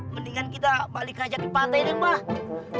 mendingan kita balik aja ke pantai mbak